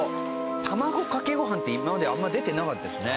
卵かけご飯って今まであんまり出てなかったですね。